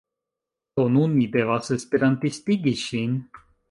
Do, nun mi devas esperantistigi ŝin